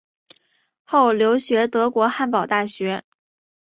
后留学德国汉堡大学。